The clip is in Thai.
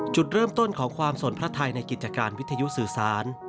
จุดเริ่มต้นของความสนพระไทยในกิจการวิทยุสื่อสาร